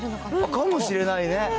かもしれないね。